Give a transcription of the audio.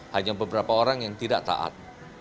hanya beberapa orang yang tidak taat